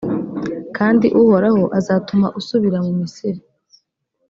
kandi uhoraho azatuma usubira mu misiri,